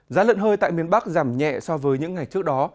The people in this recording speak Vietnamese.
giá lợn hơi tại miền bắc giảm nhẹ so với những ngày trước đó